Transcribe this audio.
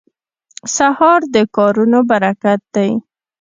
سهار د کارونو برکت دی.